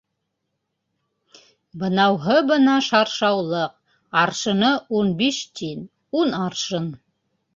Бынауһы бына шаршаулыҡ, аршыны ун биш тин, ун аршын.